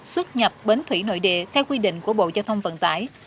xuất nhập bến thủy nội địa theo quy định của bộ giao thông vận tải